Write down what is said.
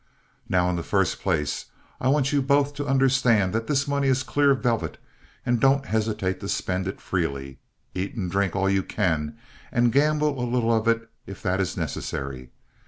Now in the first place, I want you both to understand that this money is clear velvet, and don't hesitate to spend it freely. Eat and drink all you can, and gamble a little of it if that is necessary.